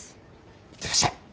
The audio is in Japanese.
いってらっしゃい。